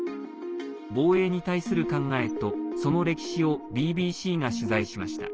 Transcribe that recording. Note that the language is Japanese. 防衛に対する考えとその歴史をＢＢＣが取材しました。